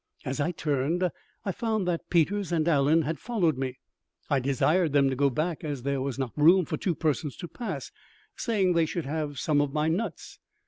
As I turned, I found that Peters and Allen had followed me. I desired them to go back, as there was not room for two persons to pass, saying they should have some of my nuts.